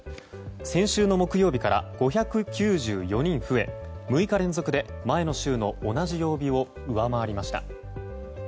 先週の木曜日から５９４人増え６日連続で前の週の同じ曜日を上回りました。